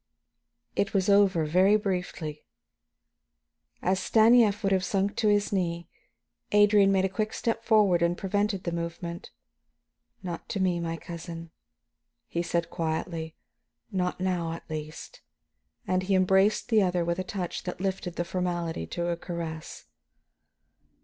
It was over very briefly. As Stanief would have sunk to his knee, Adrian made a quick step forward and prevented the movement. "Not to me, my cousin," he said quietly. "Not now, at least." And he embraced the other with a touch that lifted the formality to a caress.